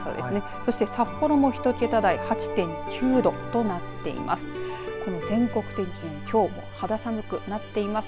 そして札幌も１桁台、８．９度となっています。